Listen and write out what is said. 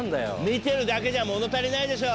見てるだけじゃもの足りないでしょ。